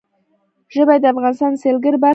ژبې د افغانستان د سیلګرۍ برخه ده.